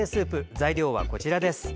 材料はこちらです。